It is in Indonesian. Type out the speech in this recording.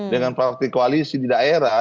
dengan praktik koalisi di daerah